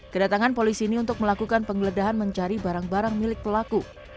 kedatangan polisi ini untuk melakukan penggeledahan mencari barang barang milik pelaku